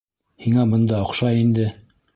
— Һиңә бында оҡшай инде?